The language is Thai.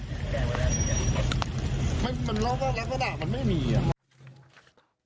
หมดแล้วก็ได้ไม่มีอ่ะตอนแรกก็นึกว่าเหตุรถถุองไฟไหม้คุณผู้